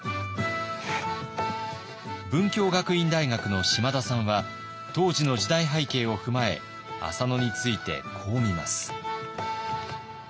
文京学院大学の島田さんは当時の時代背景を踏まえ浅野についてこう見ます。